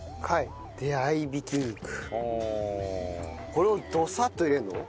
これをドサッと入れるの？